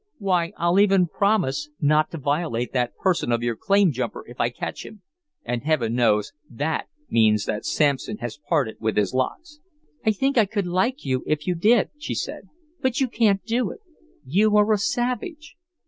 Why, I'll even promise not to violate the person of our claim jumper if I catch him; and Heaven knows THAT means that Samson has parted with his locks." "I think I could like you if you did," she said, "but you can't do it. You are a savage."